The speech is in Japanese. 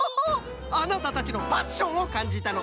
あなたたちのパッションをかんじたの。